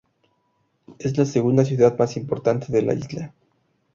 Es la segunda ciudad más importante de la isla.